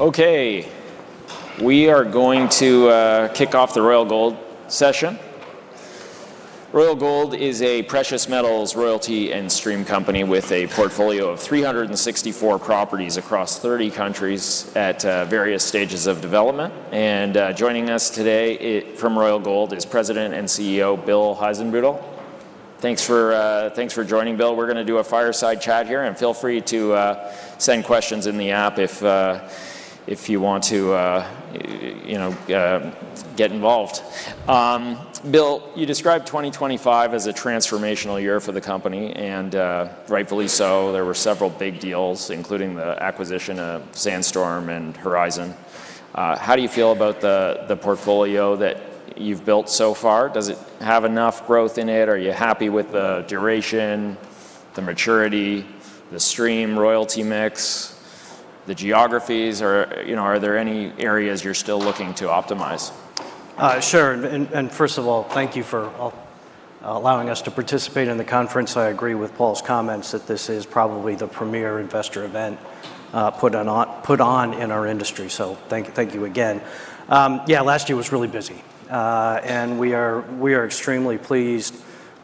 Okay, we are going to kick off the Royal Gold session. Royal Gold is a precious metals royalty and stream company with a portfolio of 364 properties across 30 countries at various stages of development. Joining us today from Royal Gold is President and CEO Bill Heissenbuttel. Thanks for joining, Bill. We're gonna do a fireside chat here, and feel free to send questions in the app if you want to, you know, get involved. Bill, you described 2025 as a transformational year for the company, rightfully so. There were several big deals, including the acquisition of Sandstorm and Horizon. How do you feel about the portfolio that you've built so far? Does it have enough growth in it? Are you happy with the duration, the maturity, the stream royalty mix, the geographies? You know, are there any areas you're still looking to optimize? Sure. First of all, thank you for allowing us to participate in the conference. I agree with Paul's comments that this is probably the premier investor event put on in our industry, so thank you again. Yeah, last year was really busy. We are extremely pleased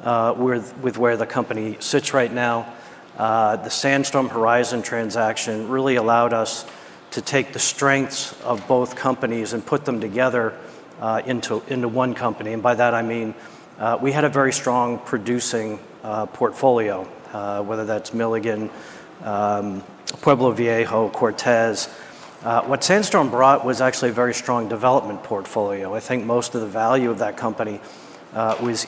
with where the company sits right now. The Sandstorm Horizon transaction really allowed us to take the strengths of both companies and put them together into one company. By that, I mean, we had a very strong producing portfolio, whether that's Milligan, Pueblo Viejo, Cortez. What Sandstorm brought was actually a very strong development portfolio. I think most of the value of that company was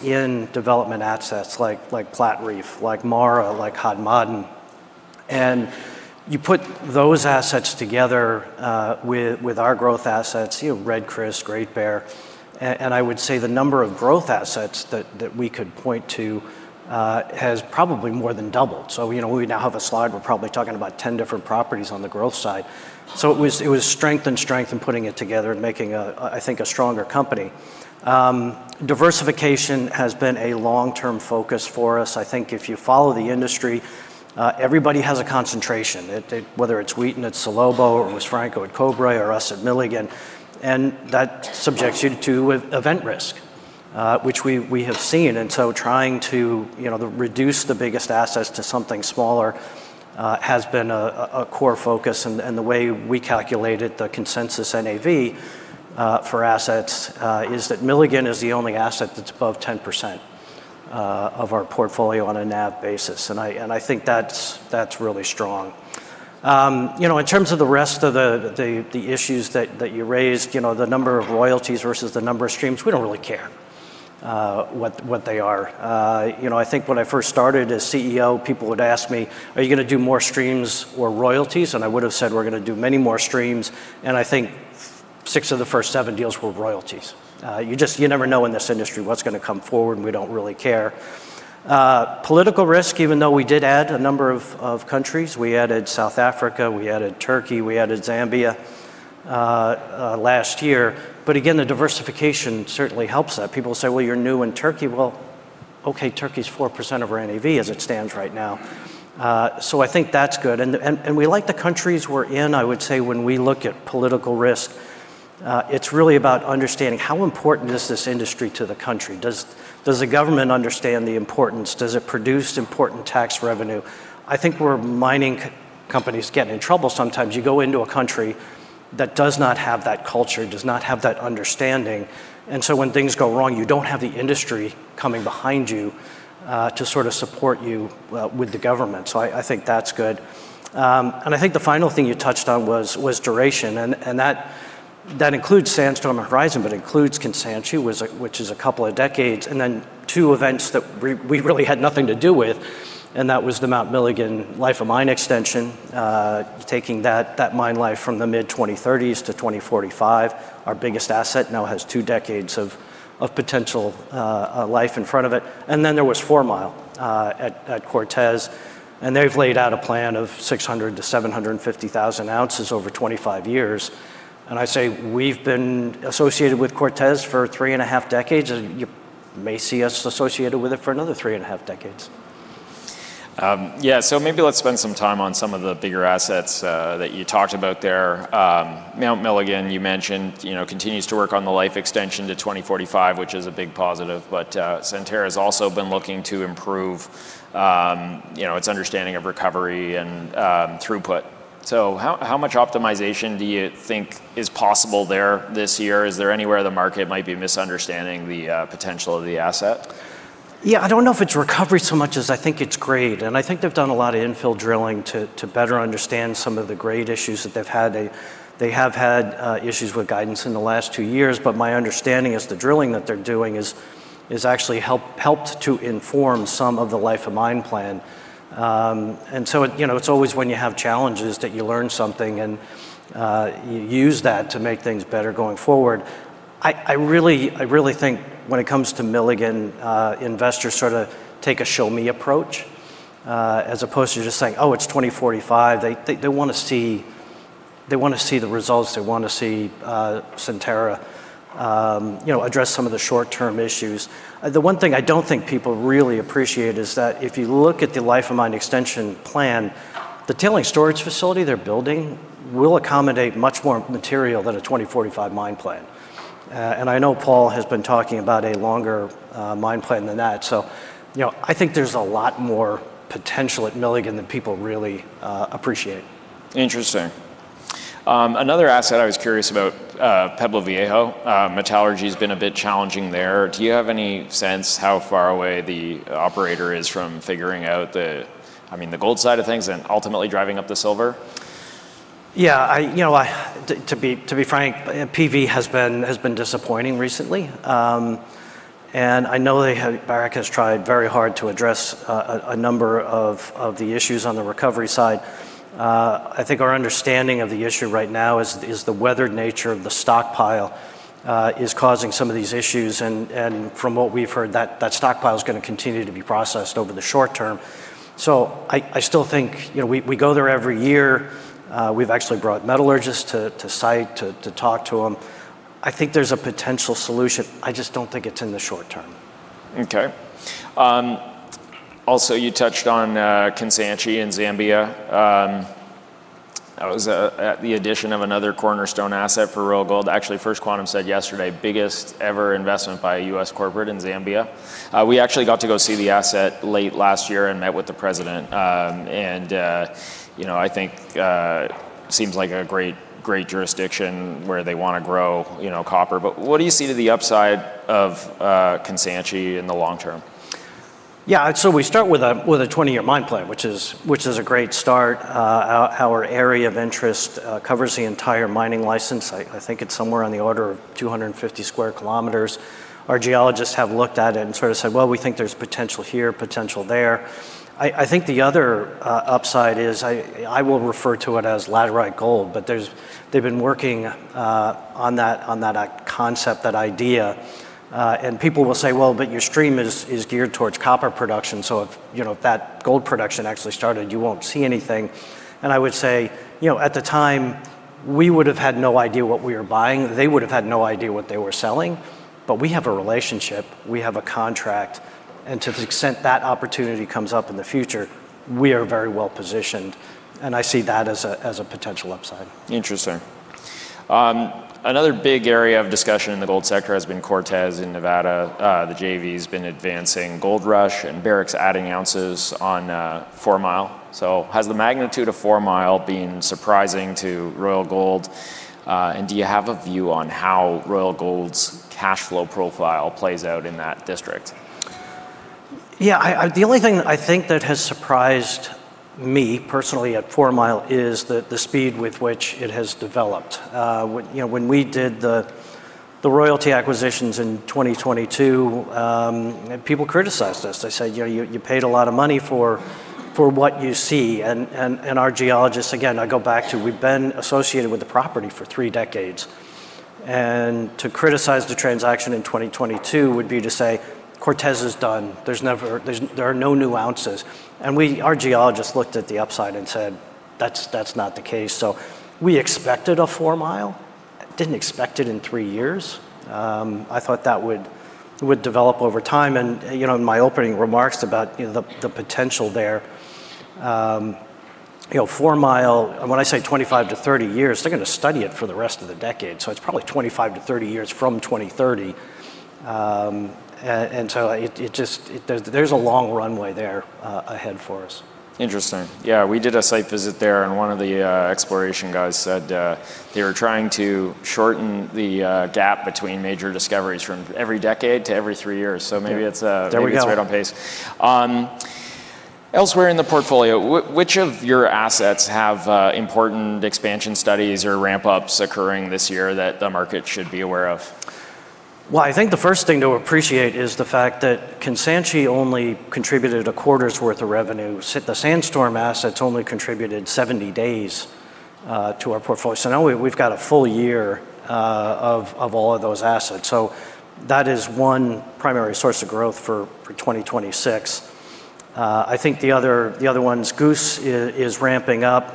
in development assets like Platreef, like MARA, like Hod Maden. You put those assets together, with our growth assets, you know, Red Chris, Great Bear, and I would say the number of growth assets that we could point to has probably more than doubled. You know, we now have a slide, we're probably talking about 10 different properties on the growth side. It was strength and strength and putting it together and making a, I think, a stronger company. Diversification has been a long-term focus for us. I think if you follow the industry, everybody has a concentration, whether it's Wheaton at Salobo or Luis Franco at Cobre or us at Milligan, and that subjects you to event risk, which we have seen. Trying to, you know, reduce the biggest assets to something smaller has been a core focus. The way we calculated the consensus NAV for assets is that Milligan is the only asset that's above 10% of our portfolio on a NAV basis, and I think that's really strong. You know, in terms of the rest of the issues that you raised, you know, the number of royalties versus the number of streams, we don't really care what they are. You know, I think when I first started as CEO, people would ask me, "Are you gonna do more streams or royalties?" I would have said, "We're gonna do many more streams," and I think six of the first seven deals were royalties. You just, you never know in this industry what's gonna come forward, and we don't really care. Political risk, even though we did add a number of countries, we added South Africa, we added Turkey, we added Zambia, last year. Again, the diversification certainly helps that. People say, "Well, you're new in Turkey." Okay, Turkey's 4% of our NAV as it stands right now. I think that's good. We like the countries we're in. I would say when we look at political risk, it's really about understanding how important is this industry to the country? Does the government understand the importance? Does it produce important tax revenue? I think where mining companies get in trouble sometimes, you go into a country that does not have that culture, does not have that understanding. When things go wrong, you don't have the industry coming behind you to sort of support you with the government. I think that's good. I think the final thing you touched on was duration, and that includes Sandstorm and Horizon, but includes Constancia, which is a couple of decades, and then two events that we really had nothing to do with, and that was the Mount Milligan life of mine extension, taking that mine life from the mid-2030s to 2045. Our biggest asset now has two decades of potential life in front of it. There was Four Mile at Cortez, and they've laid out a plan of 600,000-750,000 ounces over 25 years. I say we've been associated with Cortez for three and a half decades, and you may see us associated with it for another three and a half decades. Yeah, maybe let's spend some time on some of the bigger assets that you talked about there. Mount Milligan, you mentioned, you know, continues to work on the life extension to 2045, which is a big positive, but Centerra has also been looking to improve, you know, its understanding of recovery and throughput. How much optimization do you think is possible there this year? Is there anywhere the market might be misunderstanding the potential of the asset? Yeah, I don't know if it's recovery so much as I think it's grade, and I think they've done a lot of infill drilling to better understand some of the grade issues that they've had. They have had issues with guidance in the last two years, but my understanding is the drilling that they're doing has actually helped to inform some of the life of mine plan. It, you know, it's always when you have challenges that you learn something, and you use that to make things better going forward. I really think when it comes to Milligan, investors sort of take a show-me approach, as opposed to just saying, "Oh, it's 2045." They wanna see the results. They wanna see Centerra, you know, address some of the short-term issues. The one thing I don't think people really appreciate is that if you look at the life of mine extension, the tailings storage facility they're building will accommodate much more material than a 2045 mine plan. I know Paul has been talking about a longer mine plan than that, so, you know, I think there's a lot more potential at Milligan than people really appreciate. Interesting. Another asset I was curious about, Pueblo Viejo. Metallurgy has been a bit challenging there. Do you have any sense how far away the operator is from figuring out the, I mean, the gold side of things and ultimately driving up the silver? You know, to be frank, PV has been disappointing recently. I know they have Barrick has tried very hard to address a number of the issues on the recovery side. I think our understanding of the issue right now is the weathered nature of the stockpile is causing some of these issues, and from what we've heard, that stockpile is gonna continue to be processed over the short term. I still think, you know, we go there every year. We've actually brought metallurgists to site to talk to them. I think there's a potential solution. I just don't think it's in the short term. Okay. You touched on Kansanshi in Zambia. That was at the addition of another cornerstone asset for Royal Gold. Actually, First Quantum said yesterday, biggest ever investment by a U.S. corporate in Zambia. We actually got to go see the asset late last year and met with the president. You know, I think seems like a great jurisdiction where they wanna grow, you know, copper. What do you see to the upside of Kansanshi in the long term? We start with a 20-year mine plan, which is a great start. Our area of interest covers the entire mining license. I think it's somewhere on the order of 250 square kilometers. Our geologists have looked at it and sort of said: Well, we think there's potential here, potential there. I think the other upside is, I will refer to it as laterite gold, but they've been working on that concept, that idea. People will say, "Well, but your stream is geared towards copper production, so if, you know, that gold production actually started, you won't see anything." I would say, "You know, at the time, we would have had no idea what we were buying. They would have had no idea what they were selling, but we have a relationship, we have a contract, and to the extent that opportunity comes up in the future, we are very well positioned," and I see that as a potential upside. Interesting. Another big area of discussion in the gold sector has been Cortez in Nevada. The JV has been advancing Gold Rush and Barrick's adding ounces on Four Mile. Has the magnitude of Four Mile been surprising to Royal Gold? Do you have a view on how Royal Gold's cash flow profile plays out in that district? Yeah, I. The only thing I think that has surprised me personally at Four Mile is the speed with which it has developed. When, you know, when we did the royalty acquisitions in 2022, people criticized us. They said, "You know, you paid a lot of money for what you see," and our geologists, again, I go back to, we've been associated with the property for three decades, to criticize the transaction in 2022 would be to say, "Cortez is done. There are no new ounces." Our geologists looked at the upside and said, "That's, that's not the case." We expected a Four Mile, didn't expect it in three years. I thought that would develop over time. You know, in my opening remarks about, you know, the potential there, you know, Four Mile, when I say 25-30 years, they're gonna study it for the rest of the decade, so it's probably 25-30 years from 2030. It just, there's a long runway there, ahead for us. Interesting. Yeah, we did a site visit there, and one of the exploration guys said they were trying to shorten the gap between major discoveries from every decade to every three years. There we go. Maybe it's right on pace. Elsewhere in the portfolio, which of your assets have important expansion studies or ramp-ups occurring this year that the market should be aware of? Well, I think the first thing to appreciate is the fact that Kansanshi only contributed a quarter's worth of revenue. The Sandstorm assets only contributed 70 days to our portfolio. Now we've got a full year of all of those assets. That is one primary source of growth for 2026. I think the other one is Goose is ramping up.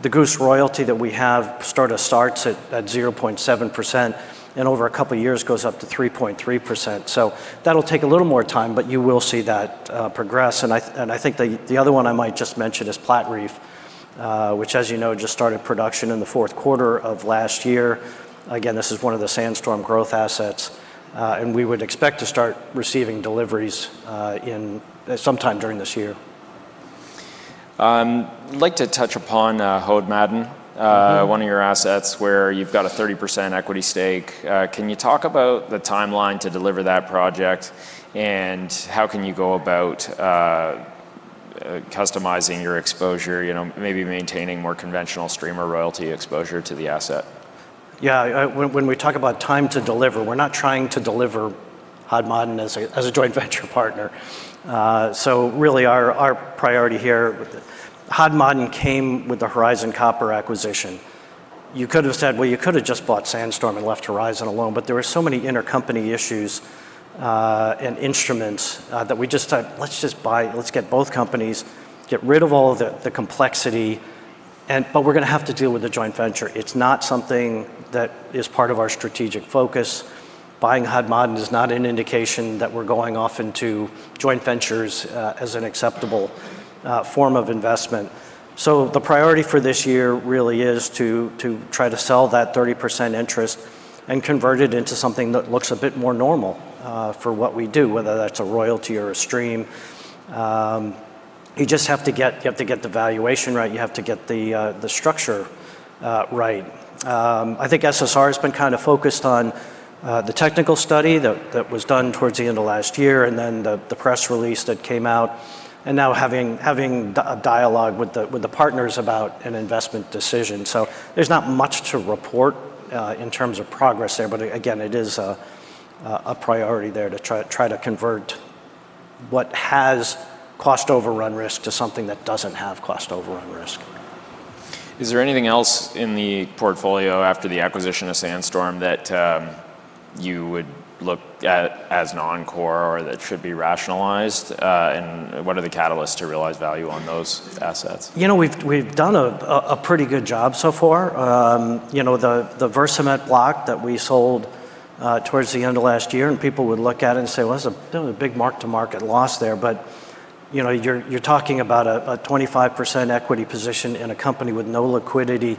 The Goose royalty that we have starts at 0.7%, and over a couple of years, goes up to 3.3%. That'll take a little more time, but you will see that progress. I think the other one I might just mention is Platreef, which, as you know, just started production in the fourth quarter of last year. This is one of the Sandstorm growth assets, and we would expect to start receiving deliveries, in, sometime during this year. I'd like to touch upon Hod Maden. One of your assets where you've got a 30% equity stake. Can you talk about the timeline to deliver that project, and how can you go about customizing your exposure, you know, maybe maintaining more conventional stream or royalty exposure to the asset? When we talk about time to deliver, we're not trying to deliver Hod Maden as a joint venture partner. Really, our priority here, Hod Maden came with the Horizon Copper acquisition. You could have said, "Well, you could have just bought Sandstorm and left Horizon alone," but there were so many intercompany issues, and instruments, that we just thought, "Let's get both companies, get rid of all the and but we're gonna have to deal with the joint venture. It's not something that is part of our strategic focus. Buying Hod Maden is not an indication that we're going off into joint ventures, as an acceptable, form of investment. The priority for this year really is to try to sell that 30% interest and convert it into something that looks a bit more normal for what we do, whether that's a royalty or a stream. You have to get the valuation right, you have to get the structure right. I think SSR has been kind of focused on the technical study that was done towards the end of last year, and then the press release that came out, and now having a dialogue with the partners about an investment decision. There's not much to report, in terms of progress there, but again, it is a priority there to try to convert what has cost overrun risk to something that doesn't have cost overrun risk. Is there anything else in the portfolio after the acquisition of Sandstorm that you would look at as non-core or that should be rationalized? What are the catalysts to realize value on those assets? You know, we've done a pretty good job so far. You know, the Versament block that we sold towards the end of last year, people would look at it and say, "Well, there's a big mark-to-market loss there." You know, you're talking about a 25% equity position in a company with no liquidity,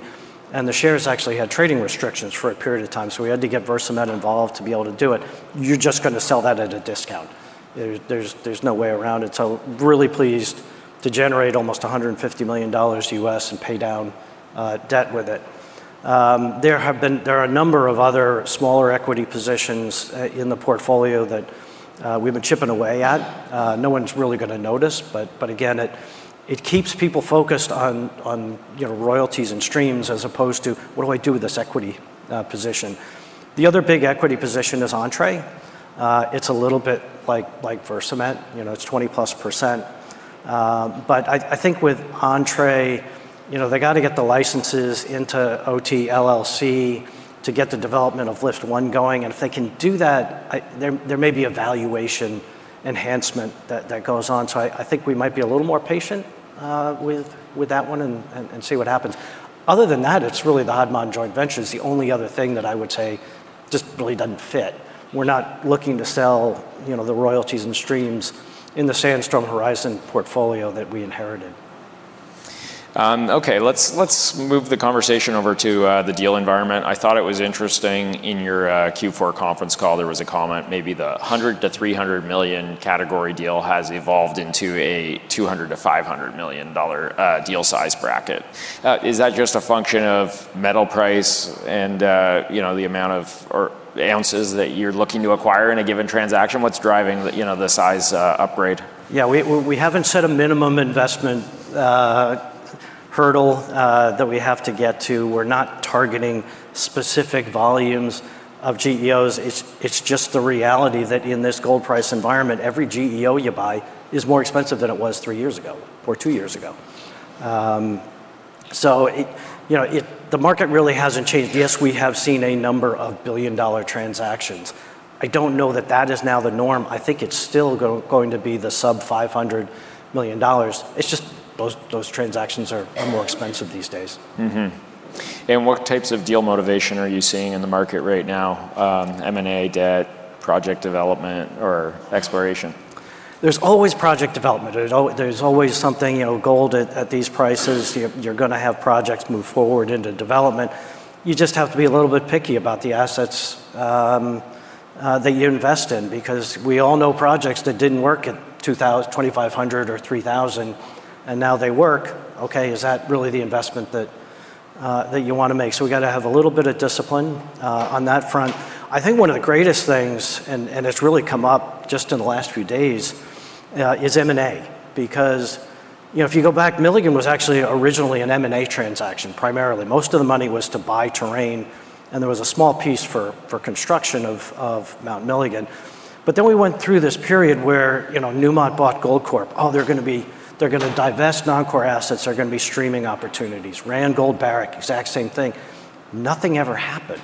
and the shares actually had trading restrictions for a period of time, so we had to get Versament involved to be able to do it. You're just gonna sell that at a discount. There's no way around it. Really pleased to generate almost $150 million and pay down debt with it. There are a number of other smaller equity positions in the portfolio that we've been chipping away at. No one's really gonna notice, but again, it keeps people focused on, you know, royalties and streams as opposed to, what do I do with this equity position? The other big equity position is Antofagasta. It's a little bit like Versament, you know, it's 20+%. I think with Antofagasta, you know, they got to get the licenses into OT LLC to get the development of Lift ONE going, and if they can do that, I, there may be a valuation enhancement that goes on. I think we might be a little more patient with that one and see what happens. Other than that, it's really the Hod Maden joint venture is the only other thing that I would say just really doesn't fit. We're not looking to sell, you know, the royalties and streams in the Sandstorm Horizon portfolio that we inherited. Okay, let's move the conversation over to the deal environment. I thought it was interesting in your Q4 conference call, there was a comment, maybe the $100 million-$300 million category deal has evolved into a $200 million-$500 million deal size bracket. Is that just a function of metal price and, you know, the amount of ounces that you're looking to acquire in a given transaction? What's driving the, you know, the size upgrade? We haven't set a minimum investment hurdle that we have to get to. We're not targeting specific volumes of GEOs. It's just the reality that in this gold price environment, every GEO you buy is more expensive than it was three years ago or two years ago. You know, the market really hasn't changed. Yes, we have seen a number of billion-dollar transactions. I don't know that that is now the norm. I think it's still going to be the sub $500 million. It's just those transactions are more expensive these days. What types of deal motivation are you seeing in the market right now, M&A, debt, project development, or exploration? There's always project development. There's always something, you know, gold at these prices, you're gonna have projects move forward into development. You just have to be a little bit picky about the assets that you invest in, because we all know projects that didn't work in $2,500 or $3,000, and now they work. Okay, is that really the investment that you want to make? We got to have a little bit of discipline on that front. I think one of the greatest things, and it's really come up just in the last few days, is M&A. You know, if you go back, Milligan was actually originally an M&A transaction, primarily. Most of the money was to buy terrain, and there was a small piece for construction of Mount Milligan. We went through this period where, you know, Newmont bought Goldcorp. They're gonna divest non-core assets, they're gonna be streaming opportunities. Randgold-Barrick, exact same thing. Nothing ever happened.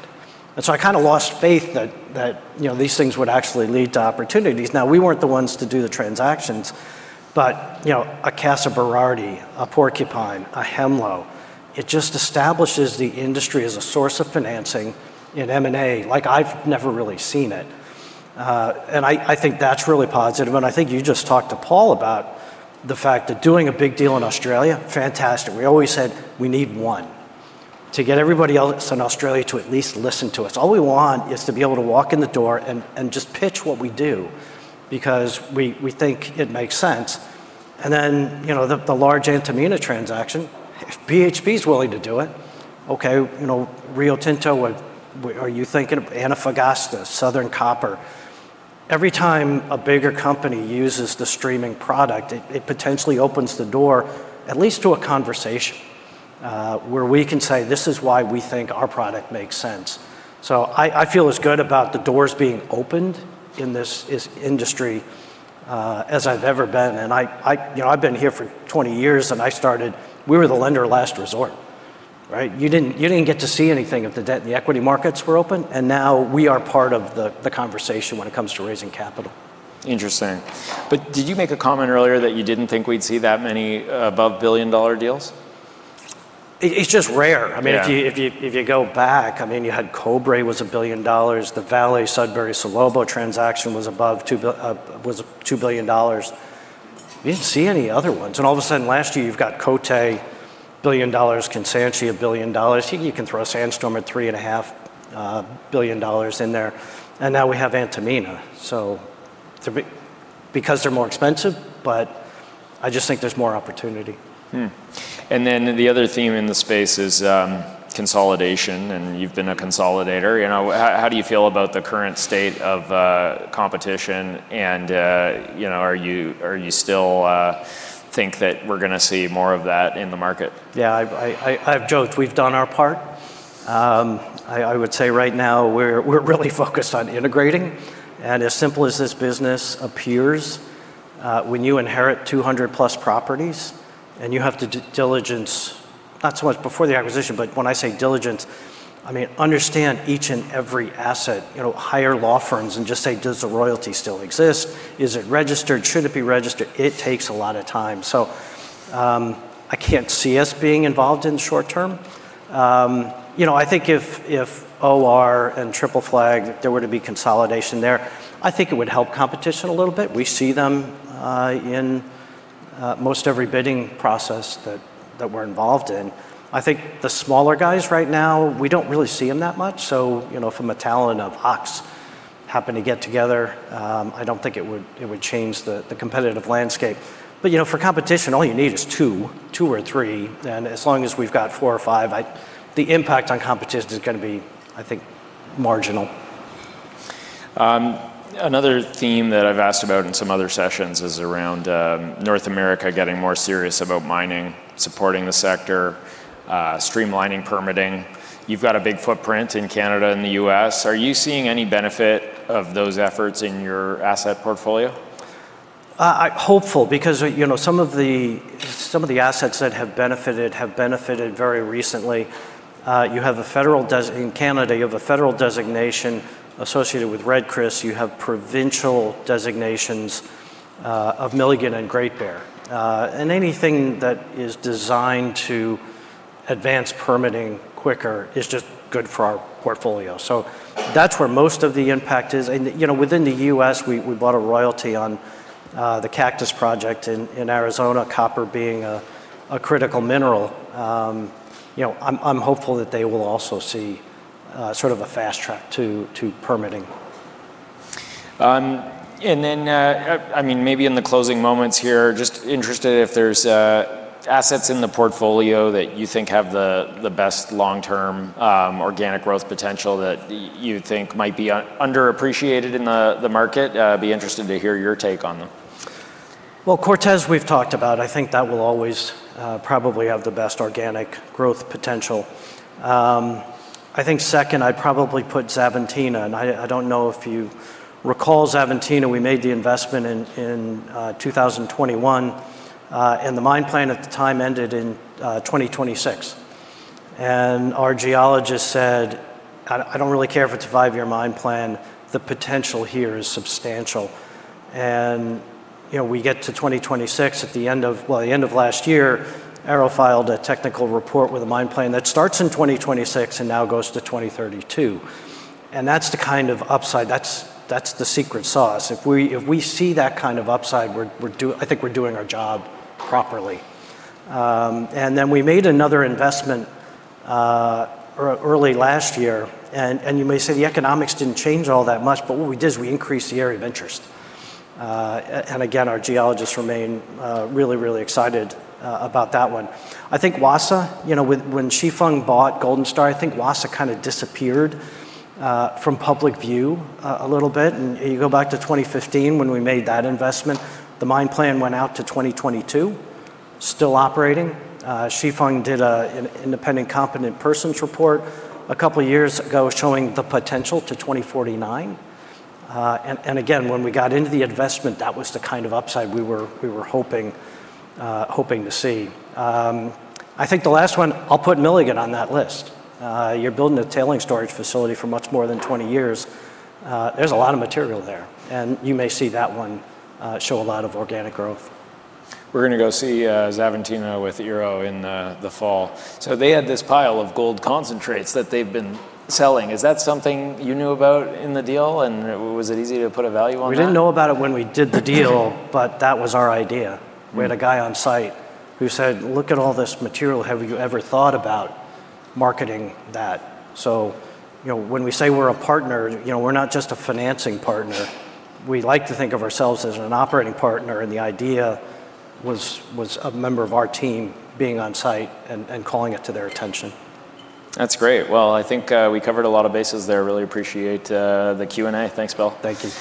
I kind of lost faith that, you know, these things would actually lead to opportunities. Now, we weren't the ones to do the transactions, but, you know, a Casa Berardi, a Porcupine, a Hemlo, it just establishes the industry as a source of financing in M&A, like I've never really seen it. And I think that's really positive, and I think you just talked to Paul about the fact that doing a big deal in Australia, fantastic. We always said we need one to get everybody else in Australia to at least listen to us. All we want is to be able to walk in the door and just pitch what we do because we think it makes sense. The large Antamina transaction, if BHP's willing to do it, okay, you know, Rio Tinto, what are you thinking of Antofagasta, Southern Copper? Every time a bigger company uses the streaming product, it potentially opens the door at least to a conversation where we can say, "This is why we think our product makes sense." I feel as good about the doors being opened in this industry as I've ever been, and I... You know, I've been here for 20 years, we were the lender of last resort... Right? You didn't get to see anything of the debt. The equity markets were open. Now we are part of the conversation when it comes to raising capital. Interesting. Did you make a comment earlier that you didn't think we'd see that many above billion-dollar deals? It's just rare. I mean, if you go back, I mean, you had Cobre was $1 billion. The Vale Sudbury Salobo transaction was $2 billion. You didn't see any other ones, and all of a sudden, last year you've got Coté, $1 billion, Kansanshi, $1 billion. You can throw Sandstorm at $3.5 billion in there, and now we have Antamina. Because they're more expensive, but I just think there's more opportunity. Then the other theme in the space is consolidation, and you've been a consolidator. You know, how do you feel about the current state of competition and, you know, are you still think that we're gonna see more of that in the market? Yeah, I've joked we've done our part. I would say right now we're really focused on integrating, and as simple as this business appears, when you inherit 200+ properties and you have to do diligence, not so much before the acquisition, but when I say diligence, I mean, understand each and every asset. You know, hire law firms and just say, "Does the royalty still exist? Is it registered? Should it be registered?" It takes a lot of time. I can't see us being involved in the short term. You know, I think if OR and Triple Flag, if there were to be consolidation there, I think it would help competition a little bit. We see them in most every bidding process that we're involved in. I think the smaller guys right now, we don't really see them that much, so, you know, if a Metalla happen to get together, I don't think it would change the competitive landscape. You know, for competition, all you need is two or three, and as long as we've got four or five, the impact on competition is gonna be, I think, marginal. Another theme that I've asked about in some other sessions is around North America getting more serious about mining, supporting the sector, streamlining permitting. You've got a big footprint in Canada and the U.S. Are you seeing any benefit of those efforts in your asset portfolio? Hopeful, because, you know, some of the, some of the assets that have benefited, have benefited very recently. You have a federal designation in Canada, you have a federal designation associated with Red Chris. You have provincial designations of Milligan and Great Bear. Anything that is designed to advance permitting quicker is just good for our portfolio. That's where most of the impact is, and, you know, within the U.S., we bought a royalty on the Cactus project in Arizona, copper being a critical mineral. You know, I'm hopeful that they will also see sort of a fast track to permitting. I mean, maybe in the closing moments here, just interested if there's assets in the portfolio that you think have the best long-term organic growth potential that you think might be underappreciated in the market. Be interested to hear your take on them. Well, Cortez, we've talked about. I think that will always probably have the best organic growth potential. I think second, I'd probably put Xavantina, and I don't know if you recall Xavantina. We made the investment in 2021, and the mine plan at the time ended in 2026. Our geologist said, "I don't really care if it's a five-year mine plan, the potential here is substantial." You know, we get to 2026, at the end of, well, the end of last year, Ero filed a technical report with a mine plan that starts in 2026 and now goes to 2032, and that's the kind of upside, that's the secret sauce. If we see that kind of upside, we're doing our job properly. Then we made another investment early last year, and you may say the economics didn't change all that much, but what we did is we increased the area of interest. Again, our geologists remain really, really excited about that one. I think Wassa, you know, when Chifeng bought Golden Star, I think Wassa kind of disappeared from public view a little bit. You go back to 2015 when we made that investment, the mine plan went out to 2022, still operating. Chifeng did an independent Competent Person's Report a couple of years ago showing the potential to 2049. Again, when we got into the investment, that was the kind of upside we were hoping to see. I think the last one, I'll put Milligan on that list. You're building a tailings storage facility for much more than 20 years. There's a lot of material there, and you may see that one, show a lot of organic growth. We're gonna go see Xavantina with Ero in the fall. They had this pile of gold concentrates that they've been selling. Is that something you knew about in the deal, and was it easy to put a value on that? We didn't know about it when we did the deal, but that was our idea. We had a guy on site who said, "Look at all this material. Have you ever thought about marketing that?" You know, when we say we're a partner, you know, we're not just a financing partner. We like to think of ourselves as an operating partner, and the idea was a member of our team being on site and calling it to their attention. That's great. Well, I think we covered a lot of bases there. Really appreciate the Q&A. Thanks, Bill. Thank you.